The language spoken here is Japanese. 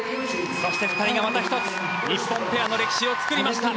そして２人がまた１つ日本ペアの歴史を作りました。